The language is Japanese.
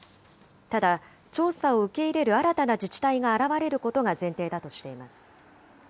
ただ、調査を受け入れる新たな自治体が現れることが前提だとしています。